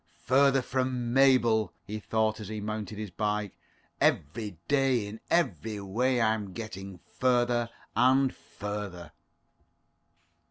"Further from Mabel," he thought, as he mounted his bike. "Every day, in every way, I'm getting further and further."